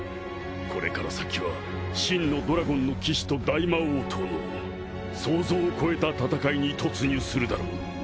これから先は真のドラゴンの騎士と大魔王との想像を超えた戦いに突入するだろう。